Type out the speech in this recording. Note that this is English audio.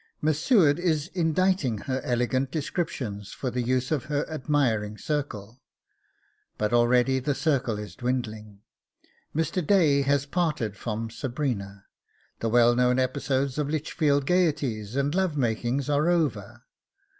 Miss Seward is inditing her elegant descriptions for the use of her admiring circle. But already the circle is dwindling! Mr. Day has parted from Sabrina. The well known episodes of Lichfield gaieties and love makings are over.